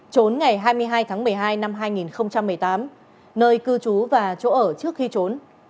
trốn ngày hai mươi hai tháng một mươi hai năm hai nghìn một mươi tám nơi cư trú và chỗ ở trước khi trốn